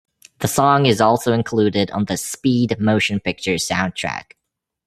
The song is also included on the "Speed" motion picture soundtrack.